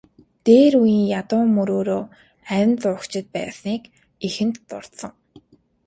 Дээр үеийн ядуу мөрөөрөө амь зуугчид байсныг эхэнд дурдсан.